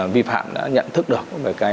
vi phạm đã nhận thức được